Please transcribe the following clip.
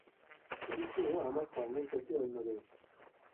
কিন্তু আমার কর্মের গতি অন্যরূপ।